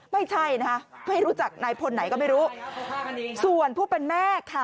ไม่ใช่นะคะไม่รู้จักนายพลไหนก็ไม่รู้ส่วนผู้เป็นแม่ค่ะ